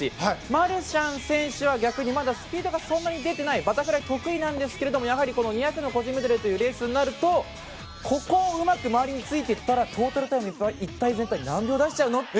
マルシャン選手はまだそんなにスピードが出ていないバタフライ得意なんですけれども２００の個人メドレーというレースになると、ここをうまく周りについていったらトータルタイムが一体全体何秒出しちゃうのと。